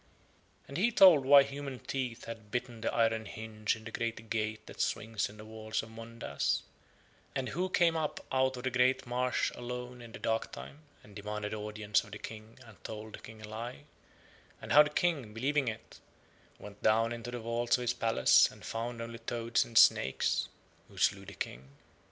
And he told why human teeth had bitten the iron hinge in the great gate that swings in the walls of Mondas, and who came up out of the marsh alone in the darktime and demanded audience of the King and told the King a lie, and how the King, believing it, went down into the vaults of his palace and found only toads and snakes, who slew the King.